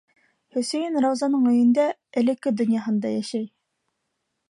Хөсәйен Раузаның өйөндә, элекке донъяһында йәшәй.